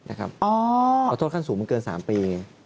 เอาโทษขั้นสูงมันเกิน๓ปี